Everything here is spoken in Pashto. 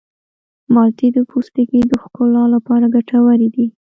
مالټې د پوستکي د ښکلا لپاره ګټورې دي.